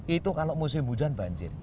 itu kalau musim hujan banjir